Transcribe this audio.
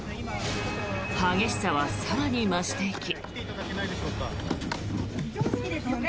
激しさは、更に増していき。